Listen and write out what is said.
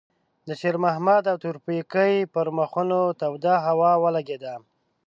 د شېرمحمد او تورپيکۍ پر مخونو توده هوا ولګېده.